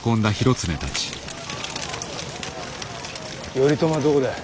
頼朝はどこだ。